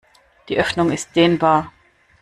Die Öffnung ist dehnbar.